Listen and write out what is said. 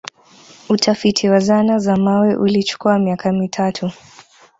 Utafiti wa zana za mawe ulichukua miaka mitatu